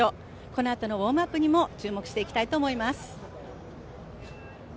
このあとのウオームアップにも注目していきたいです。